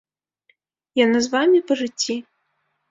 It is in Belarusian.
Яна з вамі па жыцці?